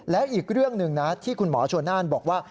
และอีกเรื่องหนึ่งนะที่คุณหมอชนน่านบอกว่า